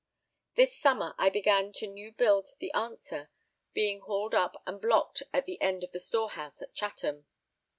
This summer I began to new build the Answer, being hauled up and blocked at the end of the storehouse at Chatham.